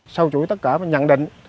sau chuỗi tất cả và nhận định